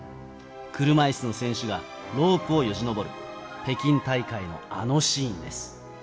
車いすの選手がロープをよじ登る北京大会のあのシーンです。